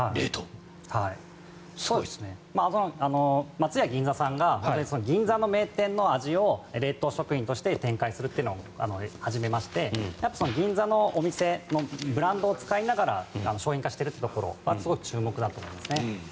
松屋銀座さんが銀座の名店の味を冷凍食品として展開するというのを始めまして銀座のお店のブランドを使いながら商品化しているところがすごい注目だと思います。